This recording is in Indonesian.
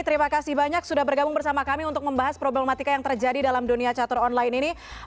terima kasih banyak sudah bergabung bersama kami untuk membahas problematika yang terjadi dalam dunia catur online ini